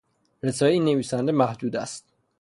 رسایی این نویسنده محدود است.